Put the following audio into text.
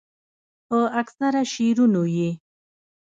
پۀ اکثره شعرونو ئې